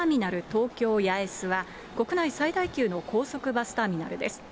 東京八重洲は、国内最大級の高速バスターミナルです。